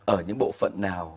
ở những bộ phận nào